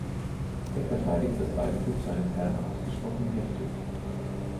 Er verteidigt das Eigentum seines Herrn ausgesprochen heftig.